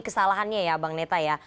kesalahannya ya bang neta ya